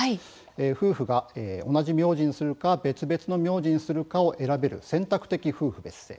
夫婦が同じ名字にするか別々の名字にするかを選べる選択的夫婦別姓